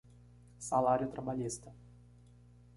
Salário trabalhista